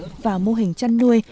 phần đất và mô hình chăn nuôi